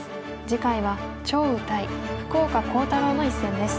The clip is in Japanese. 次回は張栩対福岡航太朗の一戦です。